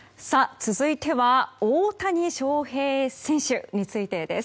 続いては大谷翔平選手についてです。